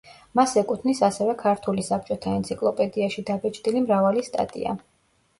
მას ეკუთვნის ასევე „ქართული საბჭოთა ენციკლოპედიაში“ დაბეჭდილი მრავალი სტატია.